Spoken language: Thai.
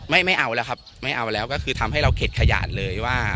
ไม่ไม่เอาแล้วครับไม่เอาแล้วก็คือทำให้เราเข็ดขยาดเลยว่า